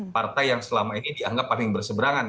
partai yang selama ini dianggap paling berseberangan